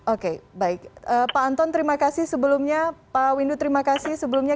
oke baik pak anton terima kasih sebelumnya pak windu terima kasih sebelumnya